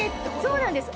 そうなんです。